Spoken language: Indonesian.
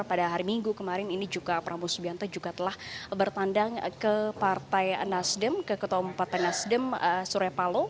pada hari minggu kemarin ini juga prabowo subianto juga telah bertandang ke partai nasdem ke ketua umum partai nasdem surya palo